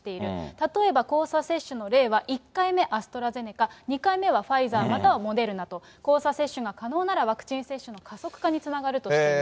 例えば交差接種の例は１回目アストラゼネカ、２回目はファイザー、またはモデルナと、交差接種が可能なら、ワクチン接種の加速化につながるとしています。